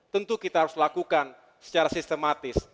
tentu kita harus lakukan secara sistematis